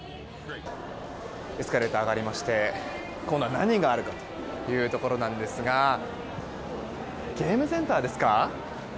エスカレーターで上がりまして今度は何があるかというところですがゲームセンターですか。